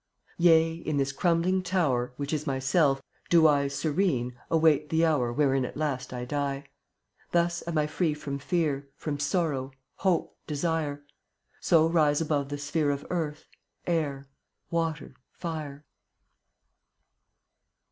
e\m$ d^Vit/it* ^ ea > m tn * s crum bling tower ^J ma * (Which is myself) do I, fjvC' Serene, await the hour Wherein at last I die. Thus am I free from fear, From sorrow, hope, desire; So rise above the sphere Of earth, air, water, fire.